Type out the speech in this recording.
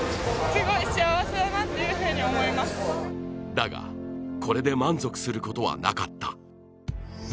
だが、これで満足することはなかった。